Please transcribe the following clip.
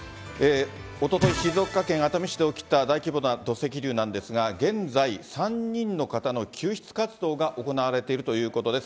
おととい、静岡県熱海市で起きた大規模な土石流なんですが、現在３人の方の救出活動が行われているということです。